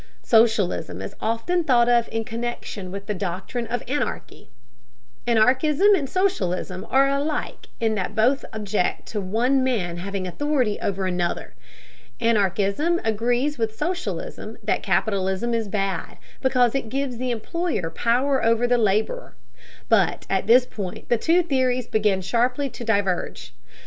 Socialism is often thought of in connection with the doctrine of anarchy. Anarchism and socialism are alike in that both object to one man having authority over another. Anarchism agrees with socialism that capitalism is bad because it gives the employer power over the laborer. But at this point the two theories begin sharply to diverge.